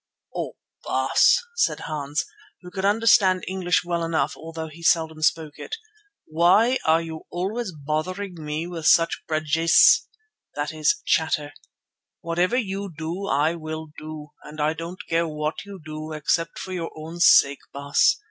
"Oh! Baas," said Hans, who could understand English well enough although he seldom spoke it, "why are you always bothering me with such praatjes?"—(that is, chatter). "Whatever you do I will do, and I don't care what you do, except for your own sake, Baas.